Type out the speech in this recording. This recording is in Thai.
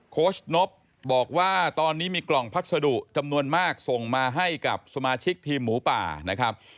โค้ชนบบอกว่าตอนนี้มีกล่องพัสดุจำนวนมากส่งมาให้กับสมาชิกทีมหมูป่านะครับ